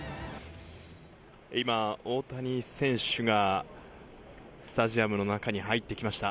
今、大谷選手がスタジアムの中に入ってきました。